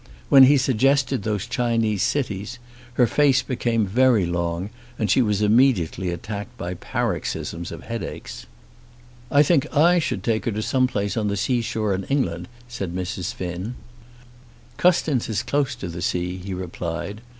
When he suggested those Chinese cities, her face became very long and she was immediately attacked by paroxysms of headaches. "I think I should take her to some place on the seashore in England," said Mrs. Finn. "Custins is close to the sea," he replied.